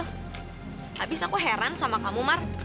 habis aku heran sama kamu mark